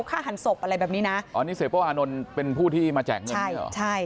ฆ่าหันศพอะไรแบบนี้นะอ๋อนี่เสียโป้อานนท์เป็นผู้ที่มาแจกเงินใช่เหรอใช่